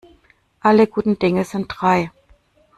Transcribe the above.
Alle guten Dinge sind drei.